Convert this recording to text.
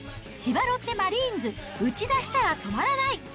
千葉ロッテマリーンズ、打ちだしたら止まらない！